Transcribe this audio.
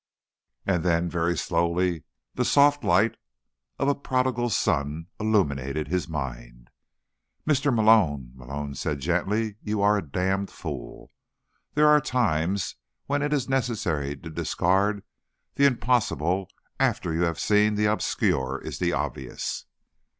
And then, very slowly, the soft light of a prodigal sun illuminated his mind. "Mr. Malone," Malone said gently, "you are a damned fool. There are times when it is necessary to discard the impossible after you have seen that the obscure is the obvious."